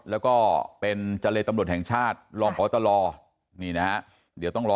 แล้วก็เป็นเจรตำรวจแห่งชาติรองพตลนี่นะฮะเดี๋ยวต้องรอ